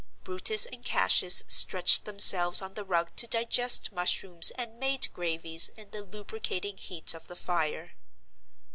Brutus and Cassius stretched themselves on the rug to digest mushrooms and made gravies in the lubricating heat of the fire.